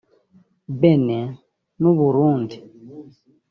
Benin n’u Burundi